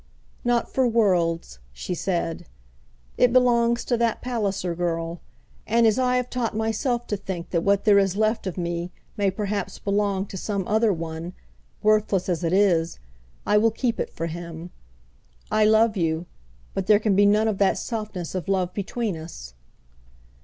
"Not for worlds," she said. "It belongs to that Palliser girl. And as I have taught myself to think that what there is left of me may perhaps belong to some other one, worthless as it is, I will keep it for him. I love you, but there can be none of that softness of love between us."